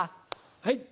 はい。